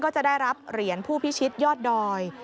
จะได้รับเหรียญผู้พิชิตยอดดอย